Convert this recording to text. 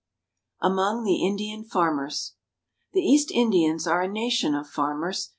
AMONG THE INDIAN FARMERS THE East Indians are a nation of farmers.